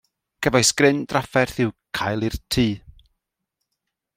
Cefais gryn drafferth i'w cael i'r tŷ.